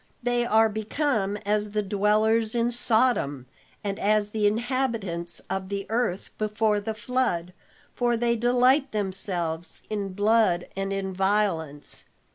They are become as the dwellers in Sodom, and as the inhabitants of the earth before the flood, for they delight themselves in blood and in violence.